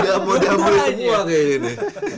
gak boleh gak boleh semua kayak gini